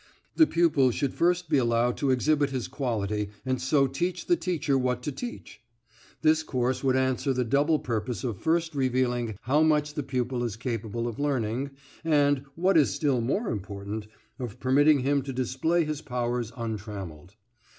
The pupil should first be allowed to exhibit his quality, and so teach the teacher what to teach. This course would answer the double purpose of first revealing how much the pupil is capable of learning, and, what is still more important, of permitting him to display his powers untrammeled.